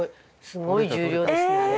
すごい重量ですねあれ。